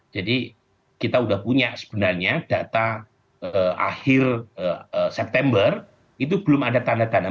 jadi kita sudah punya sebenarnya data akhir september itu belum ada tanda tanda